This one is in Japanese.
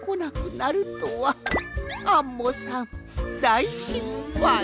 アンモさんだいしっぱい。